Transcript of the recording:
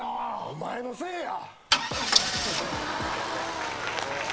お前のせいや！